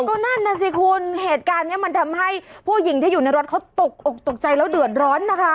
ก็นั่นน่ะสิคุณเหตุการณ์นี้มันทำให้ผู้หญิงที่อยู่ในรถเขาตกอกตกใจแล้วเดือดร้อนนะคะ